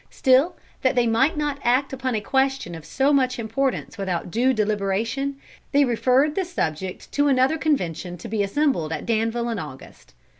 Still that they might not act upon a question of so much importance without due deliberation, they referred the subject to another convention to be assembled at Danville in August.